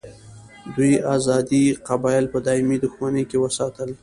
دوی آزاد قبایل په دایمي دښمني کې وساتل.